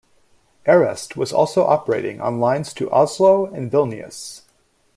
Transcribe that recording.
Airest was also operating on lines to Oslo and Vilnius.